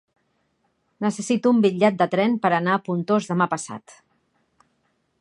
Necessito un bitllet de tren per anar a Pontós demà passat.